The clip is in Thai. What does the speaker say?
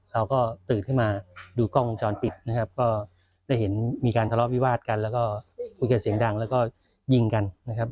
เราก็ตื่นขึ้นมาดูกล้องวงจรปิดนะครับก็ได้เห็นมีการทะเลาะวิวาดกันแล้วก็คุยกันเสียงดังแล้วก็ยิงกันนะครับ